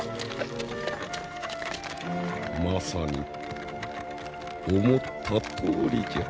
まさに思ったとおりじゃ。